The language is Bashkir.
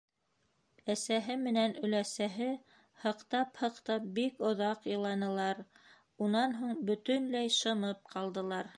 Әсәһе менән өләсәһе һыҡтап-һыҡтап бик оҙаҡ иланылар, унан һуң бөтөнләй шымып ҡалдылар.